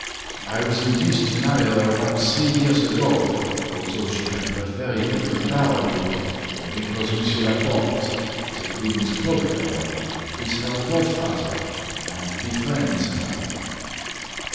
I was induced to marry her about three years ago, although she had but very little dowry, because Monsieur Laporte, the queen's cloak bearer, is her godfather, and befriends her."